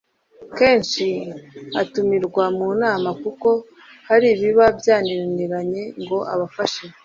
Kenshi atumirwa mu nama kuko hari ibiba byananiranye ngo abafashe